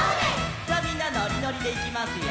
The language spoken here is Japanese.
みんなのりのりでいきますよ！